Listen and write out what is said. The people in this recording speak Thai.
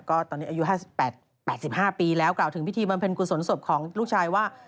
ก็ตอนนี้อายุ๘๕ปีแล้วกล่าวถึงพิธีบำเพ็ญกุศลศพของลูกชายว่า